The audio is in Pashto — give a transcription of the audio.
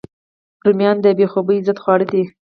رومیان د بې خوبۍ ضد خواړه دي